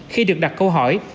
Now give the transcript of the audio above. khi được đặt câu hỏi